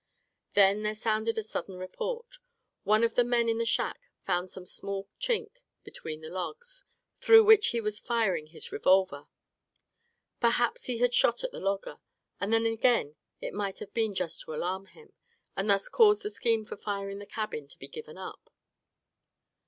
Then there sounded a sudden report. One of the men in the shack had found some small chink between the logs, through which he was firing his revolver. Perhaps he had shot at the logger; and then again it might have been done just to alarm him, and thus cause the scheme for firing the cabin to be given up.